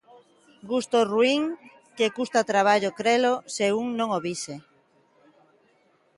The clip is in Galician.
Gusto ruín, que custa traballo crelo se un non o vise.